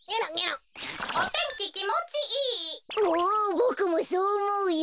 ボクもそうおもうよ！